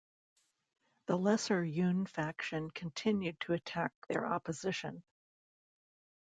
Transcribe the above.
The Lesser Yun faction continued to attack their opposition.